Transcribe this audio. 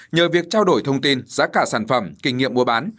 nhờ việc trao đổi thông tin giá cả sản phẩm kinh nghiệm mua bán